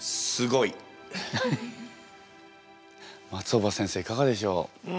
松尾葉先生いかがでしょう？